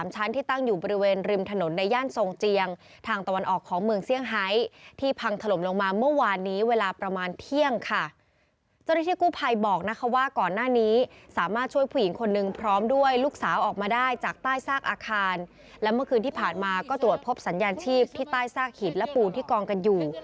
ใช่แล้วเมื่อคืนที่ผ่านมาก็ตรวจพบสัญญาณชีพที่ใต้ซากหิดและปูที่กองกันอยู่